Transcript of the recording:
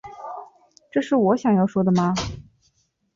这是我想要说的吗